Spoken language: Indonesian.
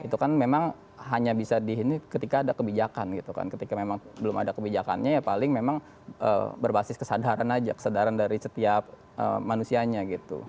itu kan memang hanya bisa di ini ketika ada kebijakan gitu kan ketika memang belum ada kebijakannya ya paling memang berbasis kesadaran aja kesadaran dari setiap manusianya gitu